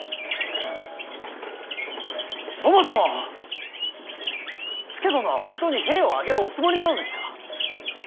そもそも佐殿は本当に兵を挙げるおつもりなのですか。